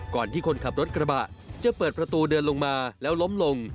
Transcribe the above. ที่คนขับรถกระบะจะเปิดประตูเดินลงมาแล้วล้มลง